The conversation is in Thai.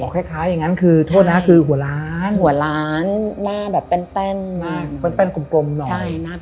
ค่ะอ๋อแค่อย่างงั้นคือโทษนะคือหัวล้านหน้าแบบแป้นหน้าแป้นกลมหน่อย